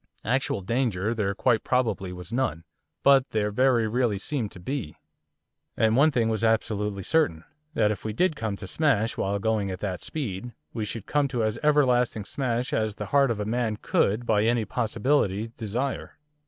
Actual danger there quite probably was none; but there very really seemed to be. And one thing was absolutely certain, that if we did come to smash while going at that speed we should come to as everlasting smash as the heart of man could by any possibility desire.